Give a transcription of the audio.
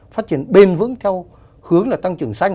phát triển bền vững theo hướng là tăng trưởng xanh